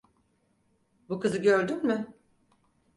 Bu kızı gördün mü?